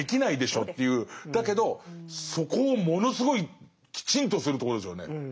だけどそこをものすごいきちんとするところですよね。